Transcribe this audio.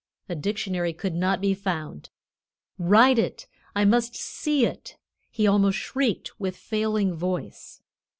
A dictionary could not be found. "Write it; I must see it," he almost shrieked with failing voice.